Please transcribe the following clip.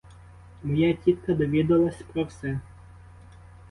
Моя тітка довідалась про все.